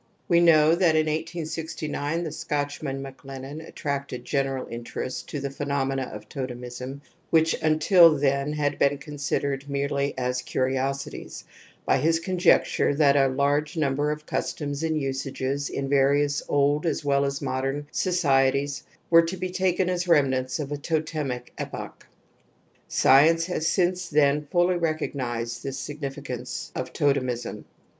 ) We know that in 1 869 the Scotclimaii'' MacLennan attracted general interest to the phenomena of totemism, which until then had been considered merely as curiosities, by his conjecture that a large num ber of customs and usages in various old as well as modem societies were to be taken as remnants of a totemic epoch. Science has since then fully recognized this significance of totemism.